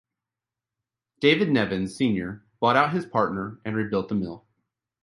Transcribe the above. David Nevins, Senior bought out his partner and rebuilt the mill.